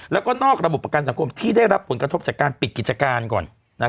แล้วก็นอกระบบประกันสังคมที่ได้รับผลกระทบจากการปิดกิจการก่อน